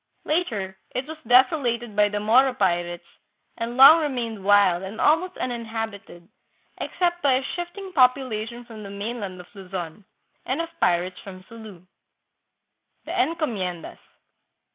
Later it was desolated by the Moro pirates and long remained wild and almost uninhabited except by a shifting population from the mainland of Luzon, and of pirates from Sulu. The Encomiendas.